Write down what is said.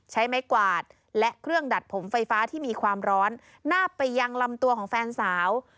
ใช้ไม้กวาดและเครื่องดัดผมไฟฟ้าที่มีความร้อนนาบไปยังลำตัวของแฟนสาว